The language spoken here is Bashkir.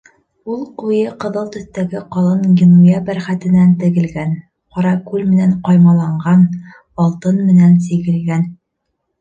Ул ҡуйы ҡыҙыл төҫтәге ҡалын генуя бәрхәтенән тегелгән, ҡаракүл менән ҡаймаланған, алтын менән сигелгән.